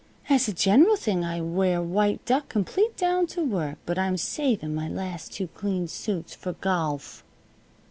As a gen'ral thing I wear white duck complete down t' work, but I'm savin' my last two clean suits f'r gawlf."